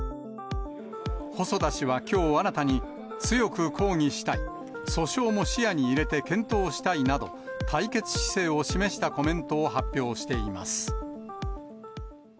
細田氏はきょう新たに、強く抗議したい、訴訟も視野に入れて検討したいなど、対決姿勢を示したコメントを発表しています。